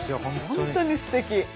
本当にすてき。